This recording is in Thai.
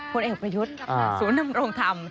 ผลเอกประยุทธ์ศูนย์ดำรงธรรม